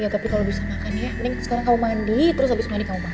ya tapi kalau bisa makan ya mending sekarang kau mandi terus habis mandi kamu banget